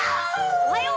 おはよう。